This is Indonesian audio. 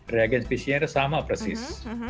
reagent pcr sama persis